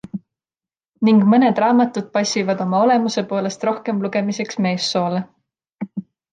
Ning mõned raamatud passivad oma olemuse poolest rohkem lugemiseks meessoole.